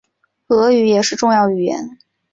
俄语也是重要语言。